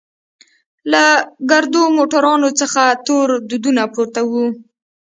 له ګردو موټرانوڅخه تور دودونه پورته وو.